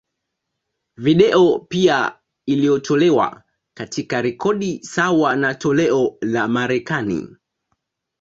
Video pia iliyotolewa, katika rekodi sawa na toleo la Marekani.